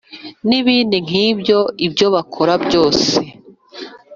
n ibindi nk ibyo Ibyo bakora byose